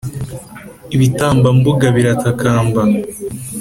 ibitambambuga biratakamba